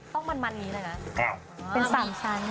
ต้องมันนี้เลยนะเป็นสามชั้น